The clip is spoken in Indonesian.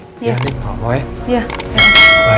gak apa apa ya